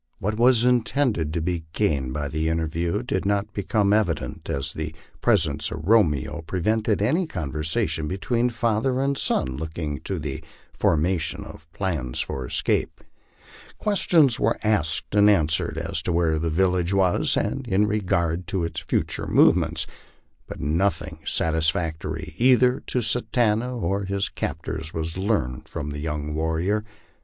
What was intended to be gained by the interview did not become evident, as the presence of Romeo pre vented any conversation between father and son looking to the formation of plans for escape. Questions were asked and answered as to where the village was, and in regard to its future movements, but nothing satisfactory either to Satanta or his captors was learned from the young warrior.